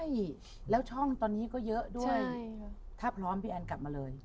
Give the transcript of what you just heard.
เยอะเหนือเกิน